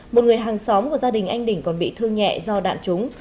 một người hàng xóm của gia đình anh đỉnh còn bị thương nhẹ do đạn trúng